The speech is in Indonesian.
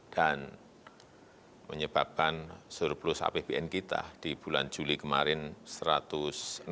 dan menyebabkan surplus apbn kita di bulan juli kemarin satu ratus enam triliun